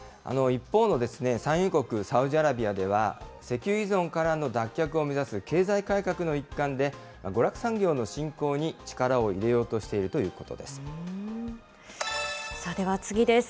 一方の産油国、サウジアラビアでは、石油依存からの脱却を目指す経済改革の一環で、娯楽産業の振興に力を入れようとしているといでは次です。